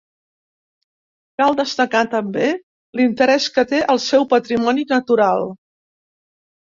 Cal destacar també l'interès que té el seu patrimoni natural.